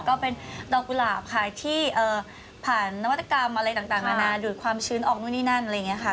ก็เป็นดอกกุหลาบค่ะที่ผ่านนวัตกรรมอะไรต่างนานาดูดความชื้นออกนู่นนี่นั่นอะไรอย่างนี้ค่ะ